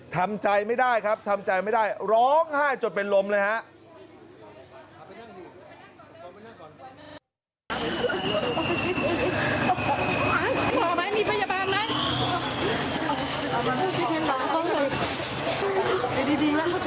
ทำใจไม่ได้ครับทำใจไม่ได้ร้องไห้จนเป็นลมเลยฮะ